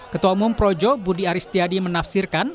ketua umum projo budi aris tiadi menafsirkan